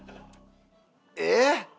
えっ！